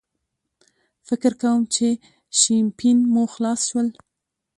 فکر کوم چې شیمپین مو خلاص شول.